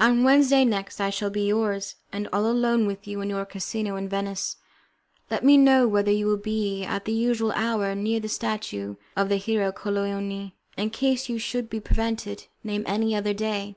On Wednesday next I shall be yours, and all alone with you in your casino in Venice; let me know whether you will be at the usual hour near the statue of the hero Colleoni. In case you should be prevented, name any other day."